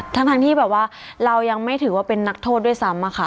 ทั้งที่แบบว่าเรายังไม่ถือว่าเป็นนักโทษด้วยซ้ำอะค่ะ